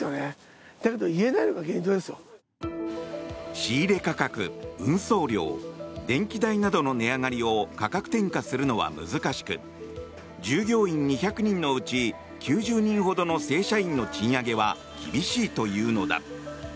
仕入れ価格、運送料電気代などの値上がりを価格転嫁するのは難しく従業員２００人のうち９０人ほどの正社員の賃上げは厳しいというのだ。